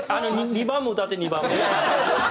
２番も歌って２番も。